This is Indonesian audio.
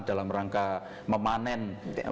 dalam rangka memanen